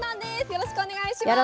よろしくお願いします。